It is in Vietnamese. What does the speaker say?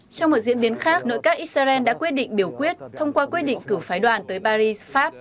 trong một diễn biến khác nội các israel đã quyết định biểu quyết thông qua quyết định cử phái đoàn tới paris pháp